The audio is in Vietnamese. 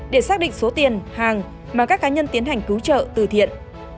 để xác định số tiền hàng mà các cá nhân tiến hành cứu trợ từ thiện